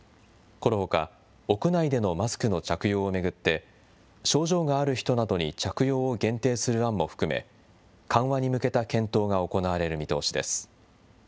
このほか、屋内でのマスクの着用を巡って、症状がある人などに着用を限定する案も含め、緩和に向けた検討が行われる見通しです。